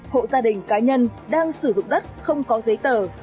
hộ gia đình cá nhân đang sử dụng đất không có giấy tờ